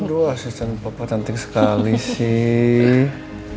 aduh asisten papa cantik sekali sih